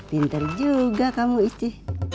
pinter juga kamu isci